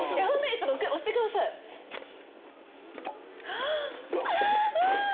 ちょっと押してくださいはっうわ！